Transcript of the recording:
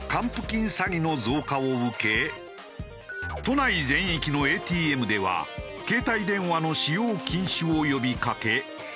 こうした都内全域のＡＴＭでは携帯電話の使用禁止を呼び掛け